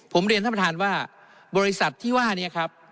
ผมเรียนท่านประธานว่าบริษัทที่ว่านี้ครับ